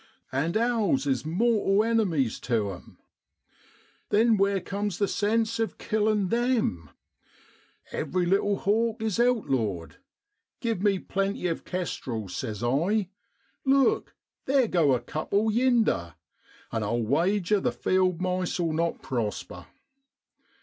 And owls is mortal enemies tu 'em. Then where comes the sense of killin' them ? Every little hawk is outlawed. Give me plenty of kestrels, says I look! theer go a couple yinder ! and I'll wager the field mice '11 not prosper.